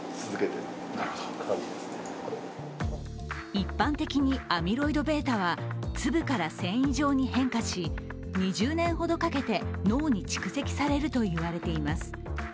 一般的にアミロイドβは粒から繊維状に変化し、２０年ほどかけて、脳に蓄積されるといわれています。